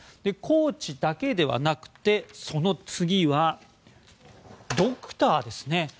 コーチだけではなくてその次はドクターですね。